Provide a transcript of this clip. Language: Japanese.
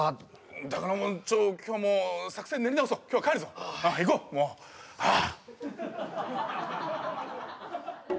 だからもうちょっと今日はもう作戦練り直そう今日は帰るぞはい行こうもうはあ